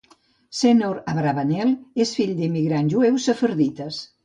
Senor Abravanel és fill d'immigrants jueus sefardites.